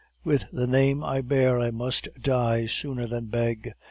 With the name I bear I must die sooner than beg.